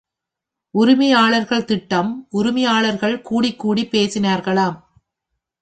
உரிமையாளர்கள் திட்டம் உரிமையாளர்கள் கூடிக்கூடிப் பேசினார்களாம்.